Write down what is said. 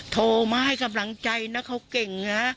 โทรมาให้กำลังใจนะเขาเก่งนะ